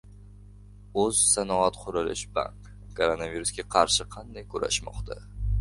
«O‘zsanoatqurilishbank» koronavirusga qarshi qanday kurashmoqda?